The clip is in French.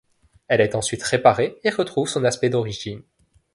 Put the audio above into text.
Elle est ensuite réparée et retrouve son aspect d'origine.